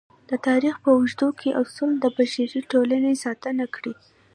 د تاریخ په اوږدو کې اصول د بشري ټولنې ساتنه کړې.